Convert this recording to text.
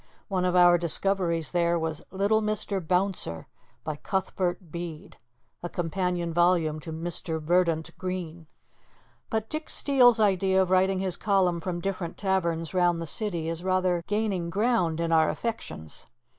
One of our discoveries there was "Little Mr. Bouncer," by Cuthbert Bede a companion volume to "Mr. Verdant Green." But Dick Steele's idea of writing his column from different taverns round the city is rather gaining ground in our affections.